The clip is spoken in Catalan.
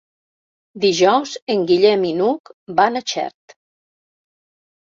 Dijous en Guillem i n'Hug van a Xert.